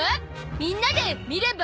みんなで見れば？